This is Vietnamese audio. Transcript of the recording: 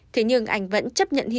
thế nhưng anh vẫn chấp nhận hiểu